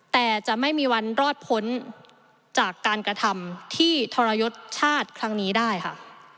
แต่จะไม่มีวันรอดพ้นจากการกระทำที่ทรยศชาติครั้งนี้ได้ค่ะ